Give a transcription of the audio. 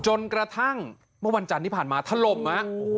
จนกระทั่งเมื่อวันจันทร์ที่ผ่านมาถล่มฮะ